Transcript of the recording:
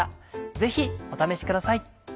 ぜひお試しください。